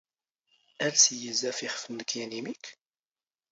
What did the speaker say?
ⴰⵍⵙ ⵉⵢⵉ ⵣⴰ ⴼ ⵉⵅⴼ ⵏⵏⴽ ⵢⴰⵏ ⵉⵎⵉⴽⴽ?